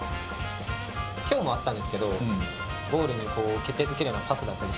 今日もあったんですけどゴールに決定づけるようなパスだったり